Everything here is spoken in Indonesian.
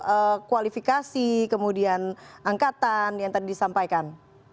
soal kualifikasi kemudian angkatan yang tadi disampaikan